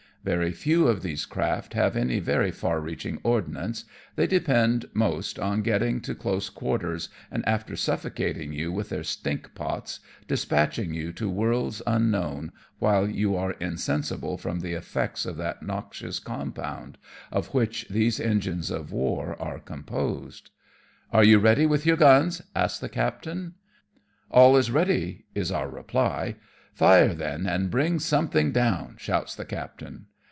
Very few of these craft have any very far reaching ordnance ; they depend most on getting to close quarters, and, after suffocating you with their stink pots, despatching you to worlds unknown while you are insensible from the effects of that noxious compound^ of which these engines of war are composed. " Are you ready with your guns ?" asks the captain. "iVll ready, sir," is our reply. " Fire then, and bring something down/' shouts the captain.